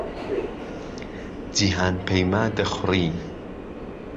جیهانپهیما دهخوڕی